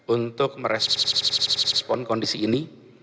untuk merespon kondisi ini